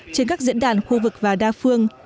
trên các diễn đàn khu vực và đa phương